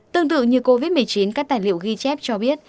tương tự như covid một mươi chín các tài liệu ghi chép cho biết